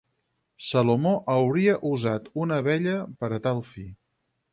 Salomó hauria usat una abella per a tal fi.